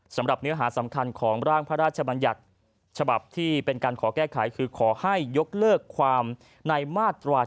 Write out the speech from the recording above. สำหรับเนื้อหาสำคัญของร่างพระราชบัญญัติฉบับที่เป็นการขอแก้ไขคือขอให้ยกเลิกความในมาตรา๑